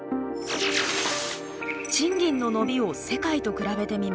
賃金の伸びを世界と比べてみます。